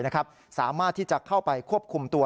จังหวัดเชียงใหม่สามารถที่จะเข้าไปควบคุมตัว